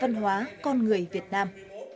văn hóa con người việt nam